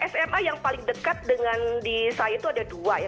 sma yang paling dekat dengan di saya itu ada dua ya